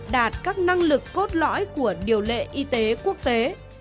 đạt các năng lực cốt lõi của điều lệ y tế quốc tế